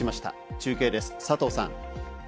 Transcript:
中継です、佐藤さん。